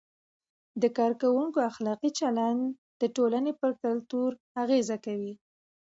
د کارکوونکو اخلاقي چلند د ټولنې پر کلتور اغیز کوي.